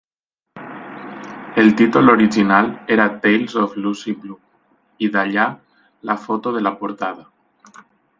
El títol original era "Tales of Lucy Blue", i d'allà la foto de la portada.